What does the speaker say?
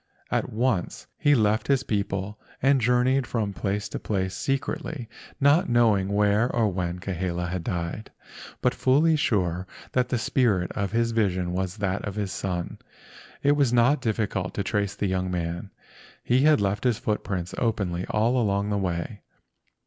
At once he left his people and journeyed from place to place secretly, not knowing where or when Kahele had died, but fully sure that the spirit of his vision was that of his son. It was not difficult to trace the young man. He had left his footprints openly all along the way.